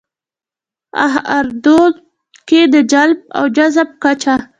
ه اردو کې د جلب او جذب کچه